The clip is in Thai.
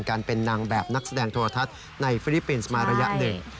การเป็นนางแบบนักแสดงโทรทัศน์ในฟิลิปปินส์มาระยะหนึ่ง